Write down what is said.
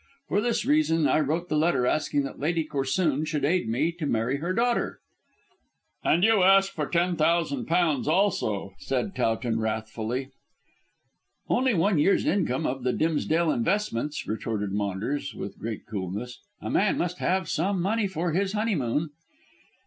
For this reason I wrote the letter asking that Lady Corsoon should aid me to marry her daughter." "And you asked for ten thousand pounds also," said Towton wrathfully. "Only one year's income of the Dimsdale investments," retorted Maunders with great coolness; "a man must have some money for his honeymoon."